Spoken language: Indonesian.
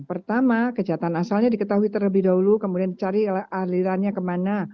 pertama kejahatan asalnya diketahui terlebih dahulu kemudian dicari alirannya kemana